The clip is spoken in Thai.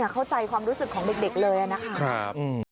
เข้าใจความรู้สึกของเด็กเลยนะครับ